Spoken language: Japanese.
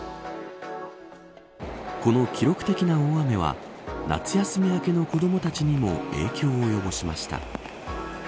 この記録的な大雨は夏休み明けの子どもたちにも影響を及ぼしました。